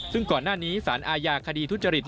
ซึ่งก่อนหน้านี้สารอาญาคดีทุจริต